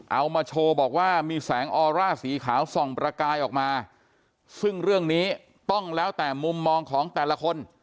เอามาโชว์บอกว่ามีแสงออร่าสีขาวส่องประกายออกมาซึ่งเรื่องนี้ต้องแล้วแต่มุมมองของแต่ละคน